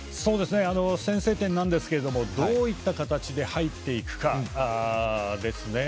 先制点なんですけれどもどういった形で入っていくかです。